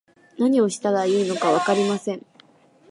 何をしたらいいのかわかりません